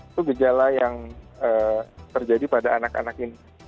itu gejala yang terjadi pada anak anak ini